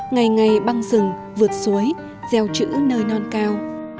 ngày ngày băng rừng vượt suối gieo chữ nơi non cao